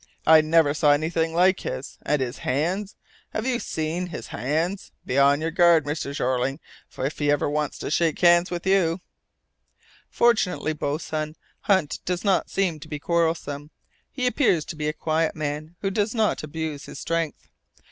I never saw anything like his! And his hands! Have you seen his hands? Be on your guard, Mr. Jeorling, if ever he wants to shake hands with you." "Fortunately, boatswain, Hunt does not seem to be quarrelsome. He appears to be a quiet man who does not abuse his strength."